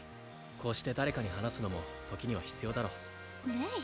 こうして誰かに話すのも時には必要だろうレイ